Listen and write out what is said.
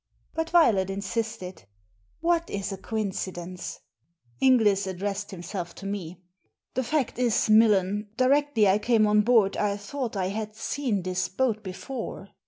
But Violet insisted " What is a coincidence ?" Inglis addressed himself to me. "The fact is, Millen, directly I came on board I thought I had seen this boat before."